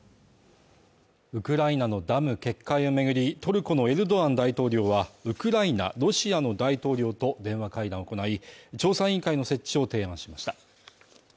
ウクライナのダム決壊を巡り、トルコのエルドアン大統領は、ウクライナ、ロシアの大統領と電話会談を行い、調査委員会の設置を提案しました。